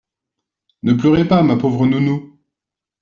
«Ne pleurez pas, ma pauvre nounou.